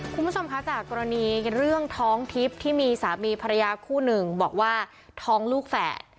คุณผู้ชมคะจากกรณีเรื่องท้องทิพย์ที่มีสามีภรรยาคู่หนึ่งบอกว่าท้องลูกแฝด